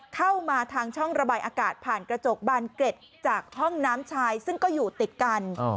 เข้ามาทางช่องระบายอากาศผ่านกระจกบานเกร็ดจากห้องน้ำชายซึ่งก็อยู่ติดกัน